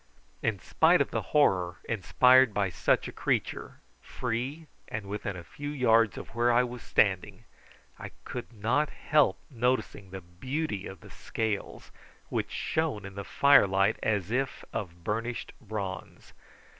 In spite of the horror inspired by such a creature, free and within a few yards of where I was standing, I could not help noticing the beauty of the scales, which shone in the fire light as if of burnished bronze.